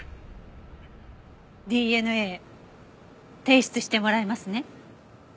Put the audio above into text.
ＤＮＡ提出してもらえますね？